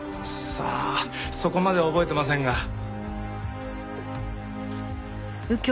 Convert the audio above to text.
さあそこまでは覚えてませんが。